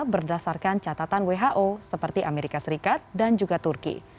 berdasarkan catatan who seperti amerika serikat dan juga turki